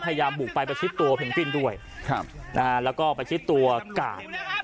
พยายามบุกไปประชิดตัวเพียงปิ้นด้วยครับนะฮะแล้วก็ประชิดตัวก่า